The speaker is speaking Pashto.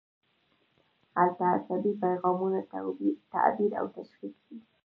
هلته عصبي پیغامونه تعبیر او تشخیص شي.